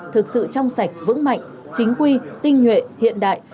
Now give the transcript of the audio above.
thực sự trong sạch vững mạnh chính quy tinh nhuệ hiện đại